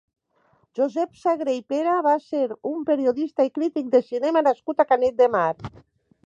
Josep Sagré i Pera va ser un periodista i crític de cinema nascut a Canet de Mar.